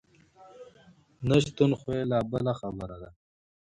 نشتون خو یې لا بله خبره ده.